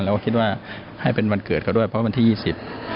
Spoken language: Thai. เราคิดว่าให้เป็นวันเกิดเขาด้วยเพราะวันที่ยี่สิบ